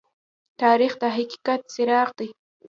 تاریخ د حقیقت څراغ دى.